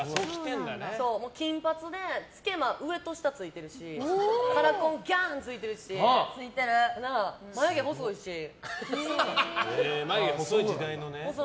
金髪でつけま、上と下についてるしカラコン、ギャンついてるし眉毛細い時代のね。